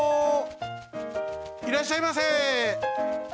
いらっしゃいませ！